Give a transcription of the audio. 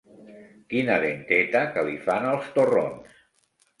Quina denteta que li fan els torrons!